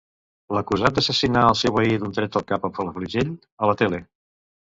L'acusat d'assassinar el seu veí d'un tret al cap a Palafrugell, a la tele.